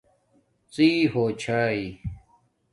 ڎی ہوچھائئ